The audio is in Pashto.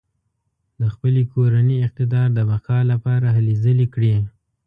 د خپل کورني اقتدار د بقا لپاره هلې ځلې کړې.